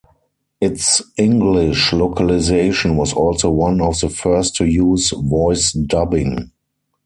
Its English localization was also one of the first to use voice dubbing.